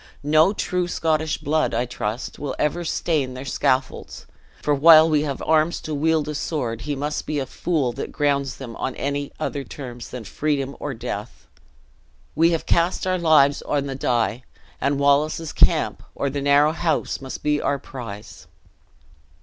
No true Scottish blood, I trust, will ever stain their scaffolds; for while we have arms to wield a sword, he must be a fool that grounds them on any other terms than freedom or death. We have cast our lives on the die; and Wallace's camp or the narrow house must be our prize!"